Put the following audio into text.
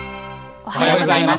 おはようございます。